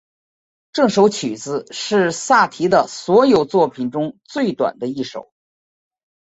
这首曲子是萨提的所有作品中最短的一首。